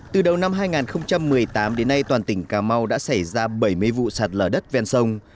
từ đầu năm hai nghìn một mươi tám đến nay toàn tỉnh cà mau đã xảy ra bảy mươi vụ sạt lở đất ven sông